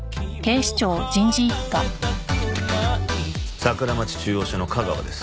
桜町中央署の架川です。